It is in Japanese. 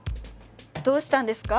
どうしたんですか？